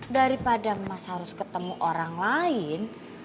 daripada mas harus ketemu orang lain